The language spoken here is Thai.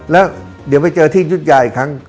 แล้วเดี๋ยวไปเจอที่ยุธยาอีกครั้ง